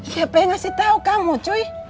siapa yang ngasih tahu kamu cui